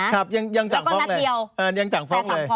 ครับยังสั่งฟ้องเลยแล้วก็นัดเดียวแต่สั่งฟ้อง